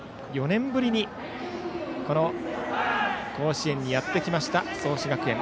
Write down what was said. ４年ぶりにこの甲子園にやってきました、創志学園。